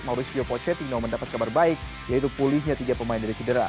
mauricio posetino mendapat kabar baik yaitu pulihnya tiga pemain dari cedera